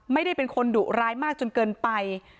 ไม่ได้เป็นคนดุร้ายมากจนเกินไป